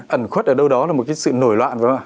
ẩn khuất ở đâu đó là một sự nổi loạn